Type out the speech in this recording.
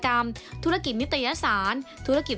กระแสรักสุขภาพและการก้าวขัด